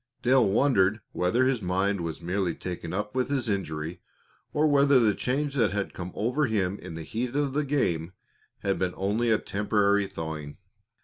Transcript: Dale wondered whether his mind was merely taken up with his injury, or whether the change that had come over him in the heat of the game had been only a temporary thawing.